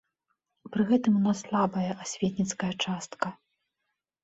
Пры гэтым у нас слабая асветніцкая частка.